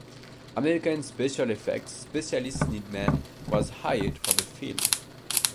American special effects specialist Ned Mann was hired for the film.